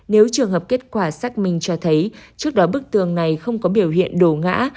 nếu trường hợp kết quả xác minh cho thấy trước đó bức tường này không có biểu hiện đổ ngã